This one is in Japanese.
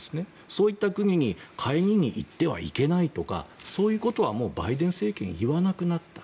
そういった国に会議に行ってはいけないとかそういうことはバイデン政権は言わなくなった。